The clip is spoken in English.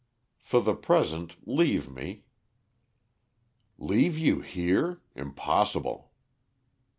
For the present leave me." "Leave you here! Impossible!"